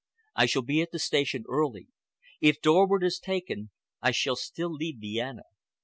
"I shall be at the station early. If Dorward is taken, I shall still leave Vienna.